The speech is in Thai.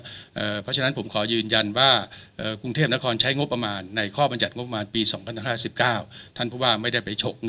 เพราะฉะนั้นผมขอยืนยันว่ากรุงเทพนครใช้งบประมาณในข้อบรรยัติงบประมาณปี๒๐๑๙